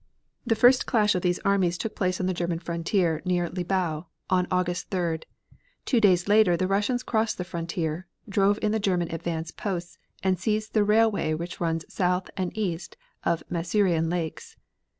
The first clash of these armies took place on the German frontier near Libau, on August 3d. Two days later, the Russians crossed the frontier, drove in the German advance posts, and seized the railway which runs south and east of the Masurian Lakes.